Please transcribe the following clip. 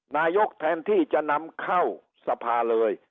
แทนที่จะนำเข้าสภาเลย